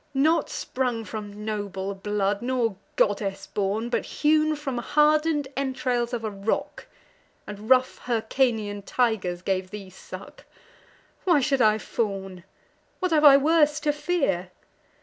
Not sprung from noble blood, nor goddess born, But hewn from harden'd entrails of a rock! And rough Hyrcanian tigers gave thee suck! Why should I fawn? what have I worse to fear?